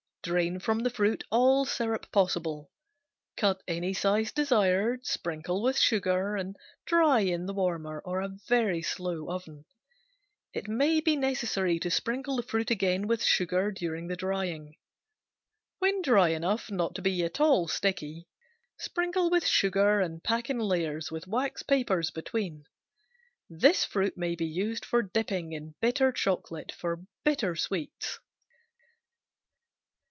Drain from the fruit all syrup possible. Cut any size desired, sprinkle with sugar, and dry in the warmer or a very slow oven. It may be necessary to sprinkle the fruit again with sugar during the drying. When dry enough not to be at all sticky, sprinkle with sugar and pack in layers with wax papers between. This fruit may be used for dipping in bitter chocolate for bitter sweets.